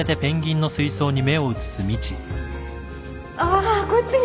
ああこっちに。